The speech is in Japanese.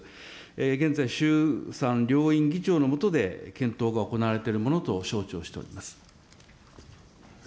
現在、衆参両院議長の下で、検討が行われているものと承知をしております。